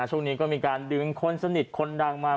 ช่วงนี้ก็มีการดึงคนสนิทคนดังมา